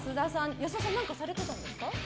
安田さん何かされてたんですか？